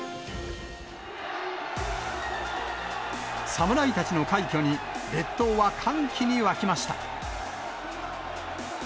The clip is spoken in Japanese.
侍たちの快挙に、列島は歓喜に沸きました。